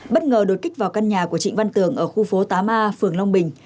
bất ngờ đột kích vào căn nhà của trịnh văn tường ở khu phố tám a phường long bình